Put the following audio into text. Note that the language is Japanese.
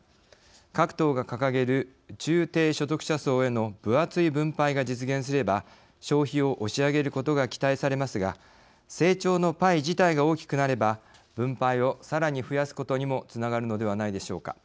各党が掲げる中低所得者層への分厚い分配が実現すれば消費を押し上げることが期待されますが成長のパイ自体が大きくなれば分配をさらに増やすことにもつながるのではないでしょうか。